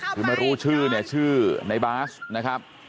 ถึงไม่รู้ชื่อนี่ชื่อในบ๊าสนะครับ